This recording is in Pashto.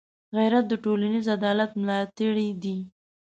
غیرت د ټولنيز عدالت ملاتړی دی